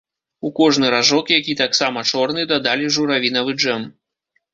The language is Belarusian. У кожны ражок, які таксама чорны, дадалі журавінавы джэм.